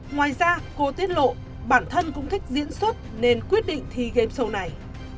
ngoài ra cô tiết lộ bản thân cũng thích diễn xuất nên quyết định thi game show này